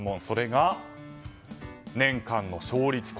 それが年間の勝率。